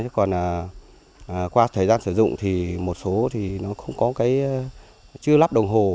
còn qua thời gian sử dụng thì một số thì nó không có cái chưa lắp đồng hồ